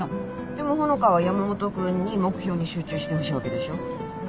でも穂香は山本君に目標に集中してほしいわけでしょ？